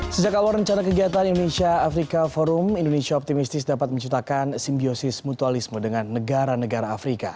sejak awal rencana kegiatan indonesia afrika forum indonesia optimistis dapat menciptakan simbiosis mutualisme dengan negara negara afrika